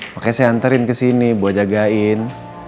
makanya saya nganterin kesini buat jagain